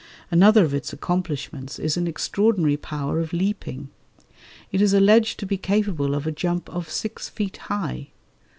Another of its accomplishments is an extraordinary power of leaping: it is alleged to be capable of a jump of six feet high.